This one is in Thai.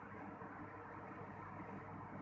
แต่ว่าจะเป็นแบบนี้